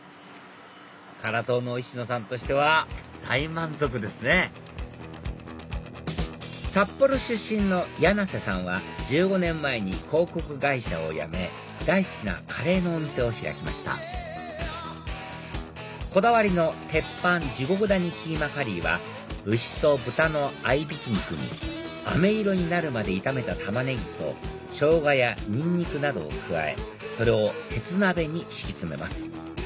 辛党の石野さんとしては大満足ですね札幌出身の柳瀬さんは１５年前に広告会社を辞め大好きなカレーのお店を開きましたこだわりの鉄板地獄谷キーマカリーは牛と豚の合いびき肉にあめ色になるまで炒めた玉ネギとショウガやニンニクなどを加えそれを鉄鍋に敷き詰めます